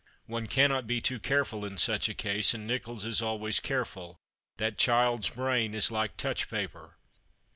" One cannot be too careful in such a case ; and Nicholls is always careful. That child's brain is like touch paper."